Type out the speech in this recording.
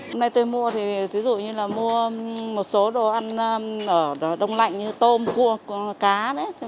hôm nay tôi mua thì ví dụ như là mua một số đồ ăn ở đông lạnh như tôm cua cá đấy